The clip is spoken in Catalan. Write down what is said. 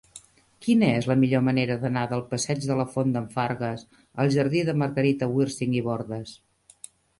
Quina és la millor manera d'anar del passeig de la Font d'en Fargues al jardí de Margarita Wirsing i Bordas?